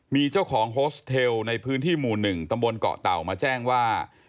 มีเจ้าของโฮสเทลในพื้นที่หมู่๑ตำบลเกาะเต่ามาแจ้งว่า